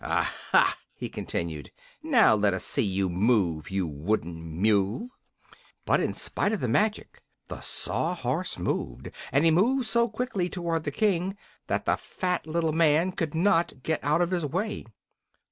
"Aha!" he continued; "NOW let us see you move, you wooden mule!" But in spite of the magic the Sawhorse moved; and he moved so quickly toward the King, that the fat little man could not get out of his way.